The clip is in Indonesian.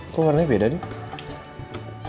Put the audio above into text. kok warnanya beda nih